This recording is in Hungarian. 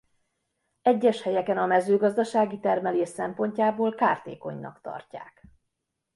Egyes helyeken a mezőgazdasági termelés szempontjából kártékonynak tartják.